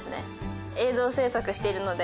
映像制作しているので。